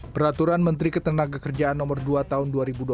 peraturan menteri ketenagakerjaan nomor dua tahun dua ribu dua puluh